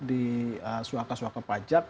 di suaka suaka pajak